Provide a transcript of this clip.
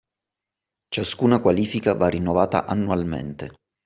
Ciascuna qualifica va rinnovata annualmente